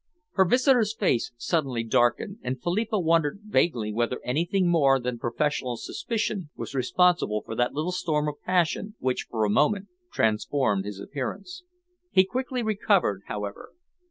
Her visitor's face suddenly darkened, and Philippa wondered vaguely whether anything more than professional suspicion was responsible for that little storm of passion which for a moment transformed his appearance. He quickly recovered, however.